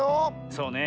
そうね。